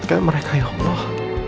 sehatkan mereka ya allah